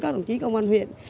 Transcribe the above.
đồng chí công an huyện